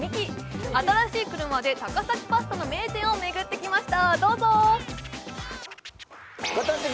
新しい車で高崎パスタの名店を巡ってきました。